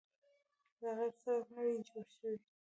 دا قیر سړک نوی جوړ شوی